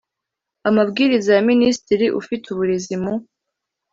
Amabwiriza ya minisitiri ufite uburezi mu